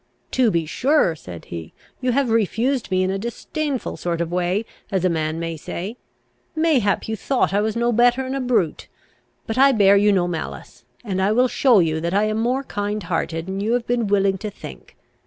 "To be sure," said he, "you have refused me in a disdainful sort of a way, as a man may say. Mayhap you thought I was no better 'an a brute: but I bear you no malice, and I will show you that I am more kind hearted 'an you have been willing to think.